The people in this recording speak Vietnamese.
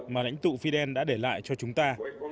mà lãnh tụ fidel đã để lại cho chúng ta